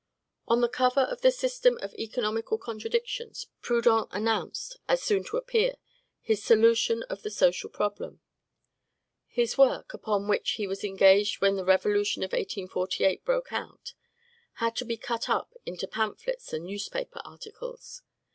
On the cover of the "System of Economical Contradictions," Proudhon announced, as soon to appear, his "Solution of the Social Problem." This work, upon which he was engaged when the Revolution of 1848 broke out, had to be cut up into pamphlets and newspaper articles.